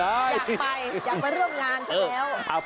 อยากไปอยากมาเริ่มงานเสมอ